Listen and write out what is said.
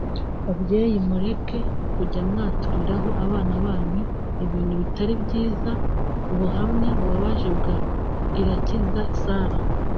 Babyeyi mureke kujya mwaturiraho abana banyu ibintu bitari byiza (Ubuhamya bubabaje bwa Irakiza Sarah)